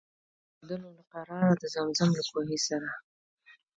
د اورېدلو له قراره د زمزم له کوهي سره.